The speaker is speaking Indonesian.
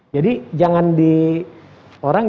jadi jangan diorang